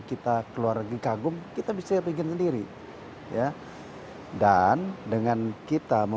kita keluar lagi kagum kita bisa bikin sendiri ya dan dengan kita